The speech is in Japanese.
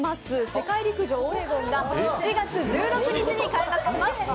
「世界陸上オレゴン」が７月１６日に開幕します。